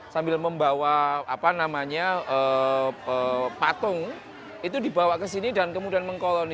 sambil membawa patung itu dibawa ke sini dan kemudian mengkoloni